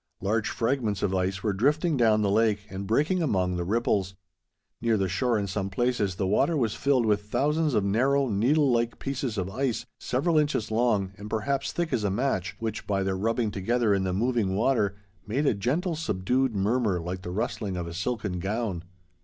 Large fragments of ice were drifting down the lake and breaking among the ripples. Near the shore in some places, the water was filled with thousands of narrow, needle like pieces of ice several inches long and perhaps thick as a match, which, by their rubbing together in the moving water, made a gentle subdued murmur like the rustling of a silken gown.